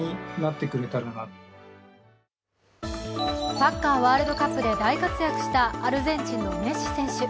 サッカーワールドカップで大活躍したアルゼンチンのメッシ選手。